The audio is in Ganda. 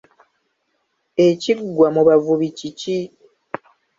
Ekiggwa mu bavubi kiki?